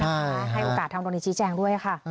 ให้โอกาสทางโรงเรียนชี้แจงด้วยค่ะ